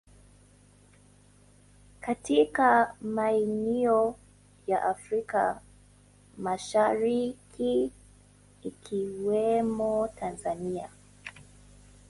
katika maeneo ya Afrika Mashariki, ikiwemo Tanzania.